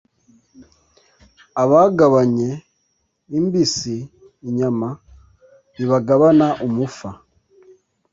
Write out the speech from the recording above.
Abagabanye imbisi (inyama) ntibagabana umufa.